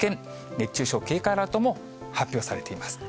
熱中症警戒アラートも発表されています。